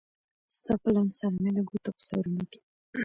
ستا په لمس سره مې د ګوتو په سرونو کې